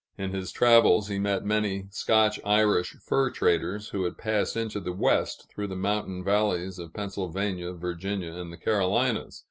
In his travels, he met many Scotch Irish fur traders who had passed into the West through the mountain valleys of Pennsylvania, Virginia, and the Carolinas.